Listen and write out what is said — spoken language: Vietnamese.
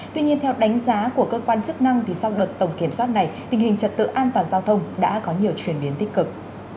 tuy nhiên theo đánh giá của cơ quan chức năng sau đợt tổng kiểm soát này tình hình trật tự an toàn giao thông đã có nhiều chuyển biến tích cực